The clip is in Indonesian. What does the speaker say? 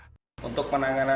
hengkilitriya adi mengatakan